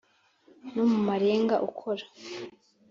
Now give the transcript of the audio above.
no mu marenga ukora.